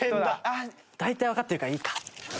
大体わかってるからいいか。